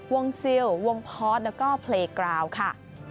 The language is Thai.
ซิลวงพอร์ตแล้วก็เพลงกราวค่ะ